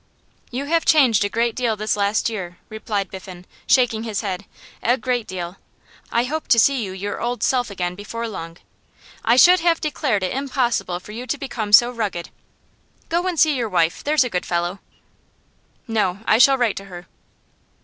'You have changed a great deal this last year,' replied Biffen, shaking his head, 'a great deal. I hope to see you your old self again before long. I should have declared it impossible for you to become so rugged. Go and see your wife, there's a good fellow.' 'No; I shall write to her.